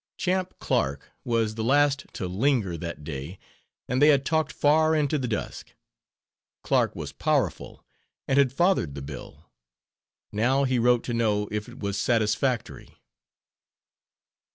Champ Clark was the last to linger that day and they had talked far into the dusk. Clark was powerful, and had fathered the bill. Now he wrote to know if it was satisfactory.